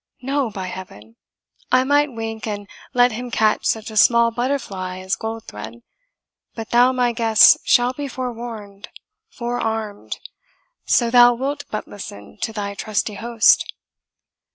No, by Heaven! I might wink, and let him catch such a small butterfly as Goldthred; but thou, my guest, shall be forewarned, forearmed, so thou wilt but listen to thy trusty host."